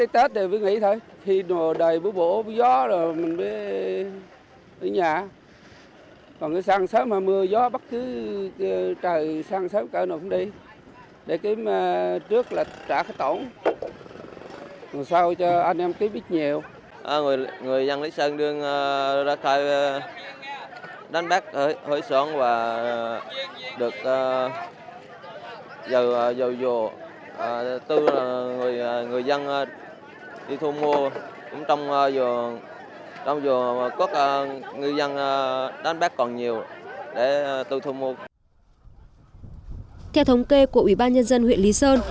theo thống kê của ủy ban nhân dân huyện lý sơn